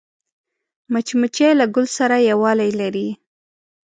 مچمچۍ له ګل سره یووالی لري